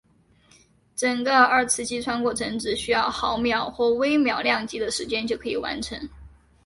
整个二次击穿过程只需要毫秒或微秒量级的时间就可以完成。